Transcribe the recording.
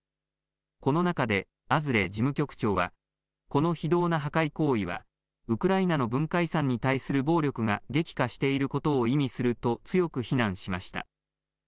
この中でアズレ事務局長はこの非道な破壊行為はウクライナの文化遺産に対する暴力が激化していることを意味すると強く非難しました。